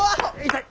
痛い！